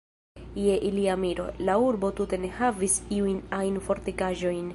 Je ilia miro, la urbo tute ne havis iujn ajn fortikaĵojn.